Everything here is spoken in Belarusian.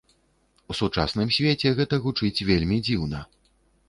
У сучасным свеце гэта гучыць вельмі дзіўна.